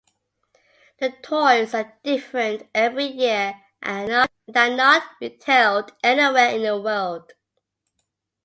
The toys are different every year and are not retailed anywhere in the world.